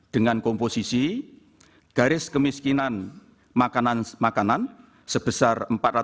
dengan komposisi garis kemiskinan makanan makanan sebesar empat ratus delapan lima ratus dua puluh dua